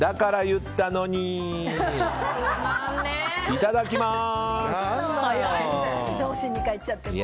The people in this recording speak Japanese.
いただきます！